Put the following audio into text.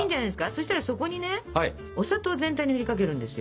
そしたらそこにねお砂糖を全体にふりかけるんですよ。